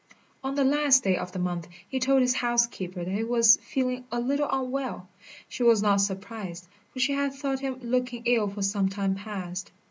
On the last day of the month he told his housekeeper that he was feeling a little unwell. She was not surprised, for she had thought him looking ill for some time past.